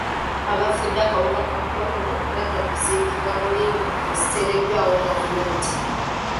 Abafudde akawuka ka kolona bajja kuziikibwa mu limbo eziteereddwawo gavumenti.